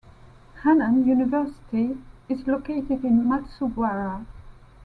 Hannan University is located in Matsubara.